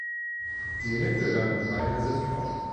Die mittellangen Beine sind grau.